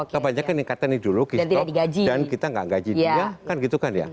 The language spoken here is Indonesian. kebanyakan yang katanya dulu kistok dan kita tidak gaji dia